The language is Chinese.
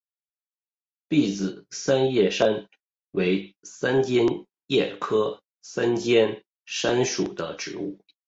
篦子三尖杉为三尖杉科三尖杉属的植物。